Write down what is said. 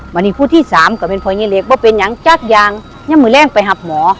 วันนี้ผู้ที่สามก็เป็นพอเย้เล็กว่าเป็นอย่างจักรยางย่ามือแรงไปหักหมอ